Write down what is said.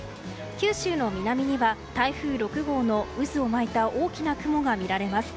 九州の南には台風６号の渦を巻いた大きな雲が見られます。